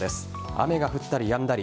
雨が降ったりやんだり。